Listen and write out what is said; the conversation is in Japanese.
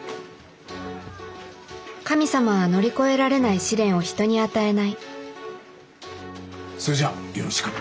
神様は乗り越えられない試練を人に与えないそれじゃあよろしく。